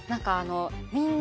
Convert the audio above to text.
みんな。